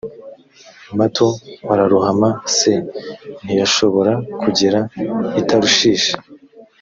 mato ararohama c ntiyashobora kugera i tarushishi